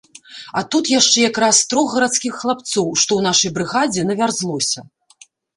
А тут яшчэ якраз трох гарадскіх хлапцоў, што ў нашай брыгадзе, навярзлося.